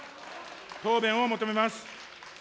答弁を求めます。